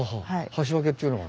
箸分けっていうのは？